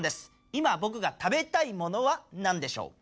今ぼくが食べたいものは何でしょう？